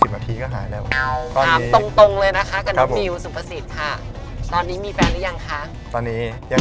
จะได้เหลือแค่๒คน